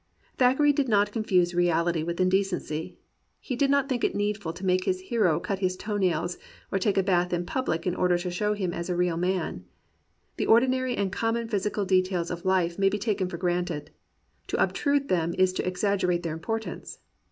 Thackeray did not confuse reahty with indecency. He did not think it needful to make his hero cut his toe nails or take a bath in public in order to show him as a real man. The ordinary and common physical details of life may be taken for granted; to obtrude them is to exaggerate their importance.